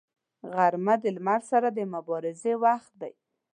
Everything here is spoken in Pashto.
غرمه د لمر سره د مبارزې وخت دی